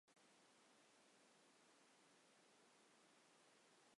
Xwe nelewitîne!